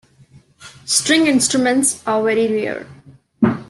String instruments are very rare.